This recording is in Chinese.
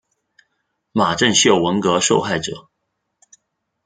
马正秀文革受害者。